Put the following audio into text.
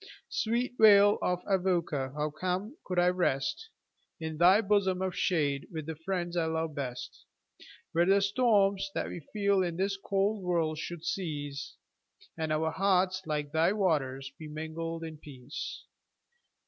Sweet vale of Avoca! how calm could I rest In thy bosom of shade, with the friends I love best, Where the storms that we feel in this cold world should cease, And our hearts, like thy waters, be mingled in peace.